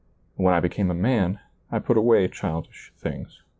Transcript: . when I became a man, I put away childish things."